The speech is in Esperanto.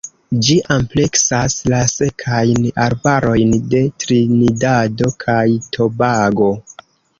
Ĝi ampleksas la Sekajn arbarojn de Trinidado kaj Tobago.